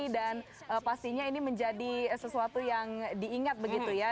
dan pastinya ini menjadi sesuatu yang diingat begitu ya